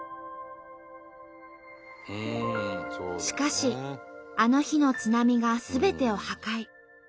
しかしあの日の津波がすべてを破壊。